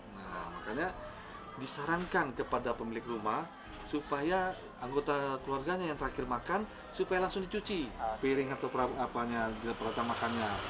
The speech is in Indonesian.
nah makanya disarankan kepada pemilik rumah supaya anggota keluarganya yang terakhir makan supaya langsung dicuci piring atau perawatan makannya